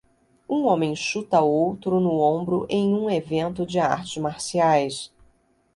Um homem chuta outro no ombro em um evento de artes marciais